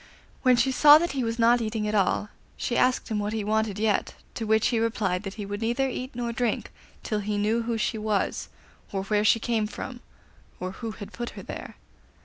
When she saw that he was not eating at all, she asked him what he wanted yet, to which he replied that he would neither eat nor drink until he knew who she was, or where she came from, or who had put her there.